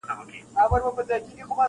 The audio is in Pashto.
د کښتۍ مخي ته پورته سول موجونه-